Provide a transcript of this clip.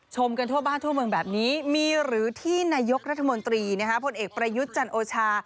กันทั่วบ้านทั่วเมืองแบบนี้มีหรือที่นายกรัฐมนตรีพลเอกประยุทธ์จันโอชา